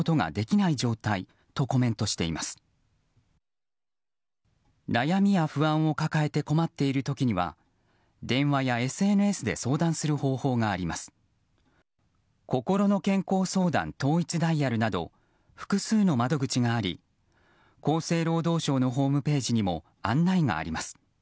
こころの健康相談統一ダイヤルなど複数の窓口があり厚生労働省のホームページにも案内があります。